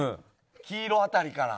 黄色辺りから。